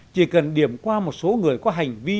chỉ cần điểm qua một số người có hành vi